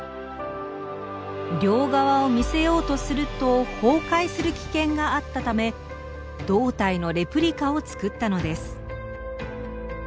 両側を見せようとすると崩壊する危険があったため胴体のレプリカを作ったのです。